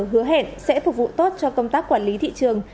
hứa hẹn sẽ phục vụ tốt cho công tác quản lý thị trường